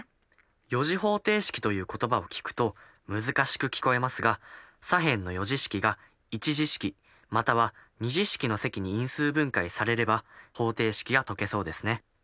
４次方程式という言葉を聞くと難しく聞こえますが左辺の４次式が１次式または２次式の積に因数分解されれば方程式が解けそうですね。